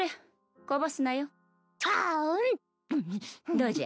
どうじゃ？